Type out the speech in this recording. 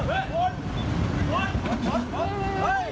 เขาจะชนอย่าไปอยู่ใกล้